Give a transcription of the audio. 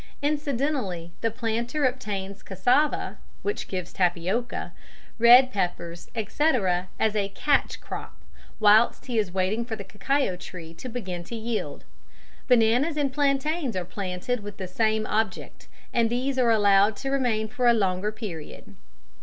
Incidentally the planter obtains cassava (which gives tapioca), red peppers, etc., as a "catch crop" whilst he is waiting for the cacao tree to begin to yield. Bananas and plantains are planted with the same object, and these are allowed to remain for a longer period.